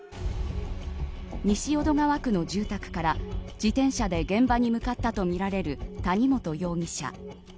西淀川区の住宅から自転車で現場に向かったとみられる谷本容疑者。